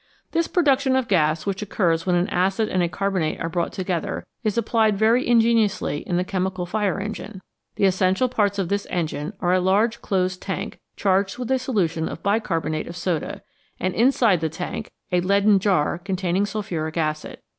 This production of gas which occurs when an acid and a carbonate are brought together is applied very ingeni ously in the chemical fire engine. The essential parts of this engine are a large closed tank, charged with a solu tion of bicarbonate of soda, and, inside the tank, a leaden jar containing sulphuric acid.